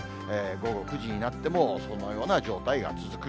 午後９時になっても、そのような状態が続く。